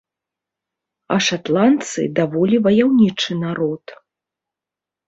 А шатландцы даволі ваяўнічы народ.